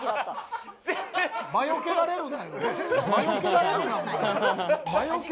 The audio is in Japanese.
魔除けられるなよ。